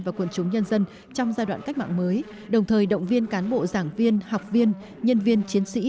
và quần chúng nhân dân trong giai đoạn cách mạng mới đồng thời động viên cán bộ giảng viên học viên nhân viên chiến sĩ